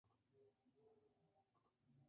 No volvió a ejercer la arquitectura.